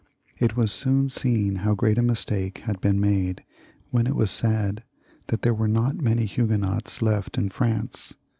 It was soon seen how great a mistake had been made when it was said that there were not many Huguenots left in France.